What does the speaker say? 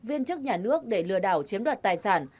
viên chức nhà nước để lừa đảo chiếm đoạt tài sản